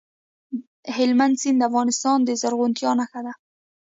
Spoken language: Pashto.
هلمند سیند د افغانستان د زرغونتیا نښه ده.